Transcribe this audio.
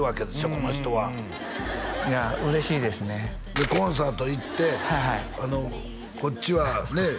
この人はいや嬉しいですねでコンサート行ってこっちはね